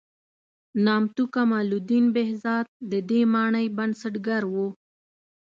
نامتو کمال الدین بهزاد د دې مانۍ بنسټګر و.